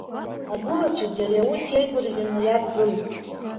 Агәылацәагьы ари аус еигәырӷьан иадгылеит.